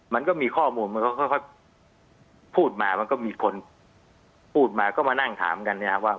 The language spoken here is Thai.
มันก็มีข้อมูลมันก็ค่อยพูดมามันก็มีคนพูดมาก็มานั่งถามกันนะครับว่า